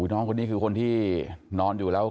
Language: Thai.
น้องคนนี้คือคนที่นอนอยู่แล้ว